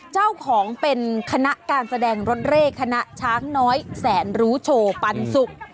เจ้าของเป็นคณะการแสดงรถเลขคณะช้างน้อยแสนรู้โชว์ปันสุก